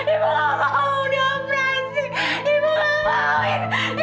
ibu tidak mau dioperasi